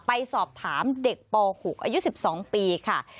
ไปสอบถามเด็กป๖อายุ๑๒ปีค่ะ